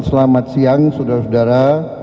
selamat siang saudara saudara